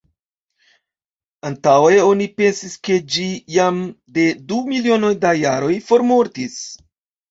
Antaŭe oni pensis ke ĝi jam de du milionoj da jaroj formortis.